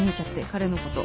彼のこと。